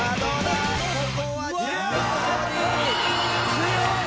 強い！